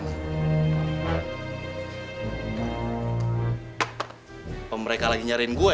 kalau mereka lagi nyariin gue